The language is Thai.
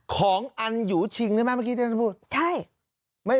ของอันยูชิงใช่ไหมพี่เวิร์ดใช่